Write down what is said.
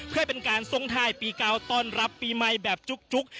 เพื่อเป็นการทรงไทยปีเก่าต้อนรับปีใหม่แบบจุ๊ก